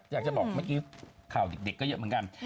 อยากจะบอกเมื่อกี้ข่าวเด็กก็เยอะเหมือนกัน